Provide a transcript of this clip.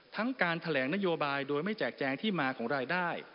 ทั้งการแถลงนโยบายโดยไม่แจกแจงที่มาของรายได้